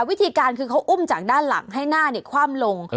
วิธีการคือเขาอุ้มจากด้านหลังให้หน้าคว่ำลง